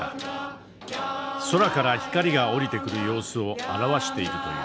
空から光が降りてくる様子を表しているという。